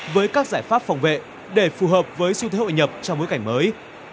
với các giải pháp phòng vệ để phù hợp với xu thế hội nhập trong bối cảnh mới